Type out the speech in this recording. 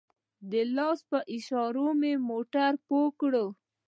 د لاس په اشاره مې موټروان پوه کړ.